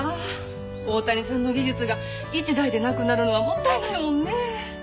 大谷さんの技術が一代でなくなるのはもったいないもんね。